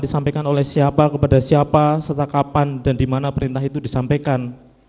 disampaikan oleh siapa kepada siapa setelah kapan dan di mana perintah itu disampaikan